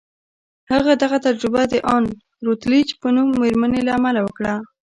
هغه دغه تجربه د ان روتلیج په نوم مېرمنې له امله وکړه